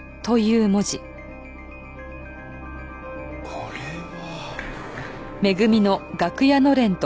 これは。